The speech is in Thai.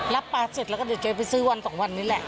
รับปลาเสร็จแล้วก็เดี๋ยวแกไปซื้อวันสองวันนี้แหละ